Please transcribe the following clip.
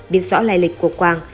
biết rõ lai lịch của quang